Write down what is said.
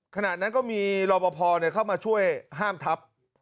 ขนาดนั้นก็มีรอบประพาเนี่ยเข้ามาช่วยห้ามทับ